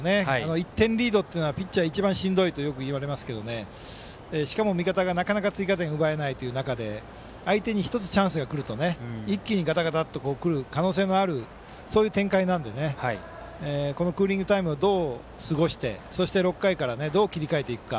１点リードというのはピッチャー、一番しんどいとよく言われますけどしかも、味方がなかなか追加点を奪えないという中で相手に１つ、チャンスがくると一気にガタガタッとくる可能性のある展開なのでこのクーリングタイムをどう過ごしてそして、６回からどう切り替えていくか。